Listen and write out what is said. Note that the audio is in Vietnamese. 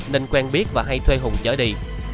nên quen biết và hay thuê hùng chở đi